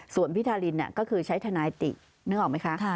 ส่วนพี่ทารินก็คือใช้ทนายตินึกออกไหมคะ